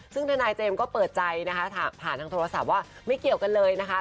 ซึ่งทนายเจมส์ก็เปิดใจนะคะผ่านทางโทรศัพท์ว่าไม่เกี่ยวกันเลยนะคะ